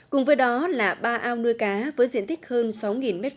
cùng với đó là ba ao nuôi cá với diện tích hơn sáu m hai